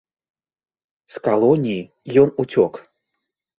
З калоніі ён уцёк.